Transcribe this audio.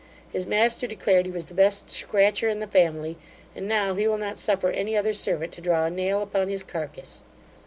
His master declared he was the best scratcher in the family; and now he will not suffer any other servant to draw a nail upon his carcase.